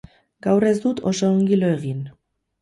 Gaur ez dut oso ongi lo egin.